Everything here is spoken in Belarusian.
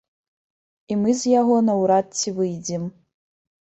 І мы з яго наўрад ці выйдзем.